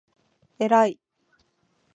えらい